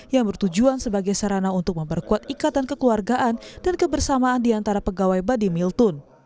yang bertujuan sebagai sarana untuk memperkuat ikatan kekeluargaan dan kebersamaan diantara pegawai badimiltun